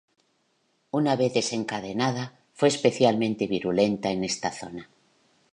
Una vez desencadenada, fue especialmente virulenta en esta zona.